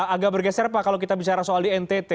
agak bergeser pak kalau kita bicara soal di ntt